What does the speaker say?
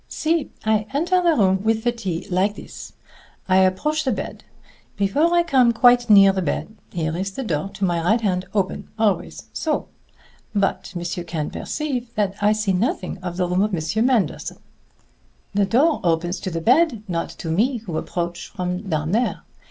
"See! I enter the room with the tea like this. I approach the bed. Before I come quite near the bed, here is the door to my right hand open, always so! But monsieur can perceive that I see nothing in the room of Monsieur Manderson. The door opens to the bed, not to me who approach from down there.